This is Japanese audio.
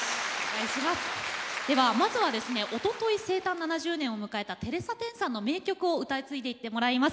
７０年を迎えたテレサ・テンさんの名曲を歌い継いでいってもらいます。